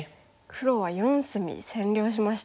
黒は４隅占領しましたね。